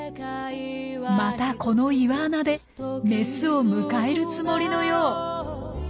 またこの岩穴でメスを迎えるつもりのよう。